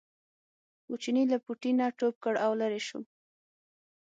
خو چیني له پوټي نه ټوپ کړ او لرې شو.